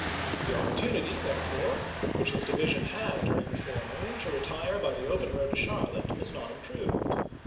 The opportunity, therefore, which his division had during the forenoon to retire by the open road to Charlotte was not improved.